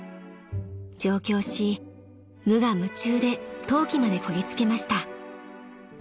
［上京し無我夢中で登記までこぎ着けました］